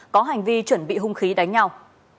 có hành vi chuẩn bị hung khí đánh nhau